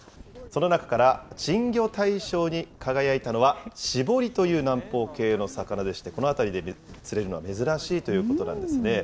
その中から珍魚大賞に輝いたのはシボリという南方系の魚でして、この辺りで釣れるのは、珍しいということなんですね。